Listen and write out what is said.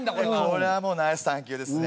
これはもうナイス探究ですね。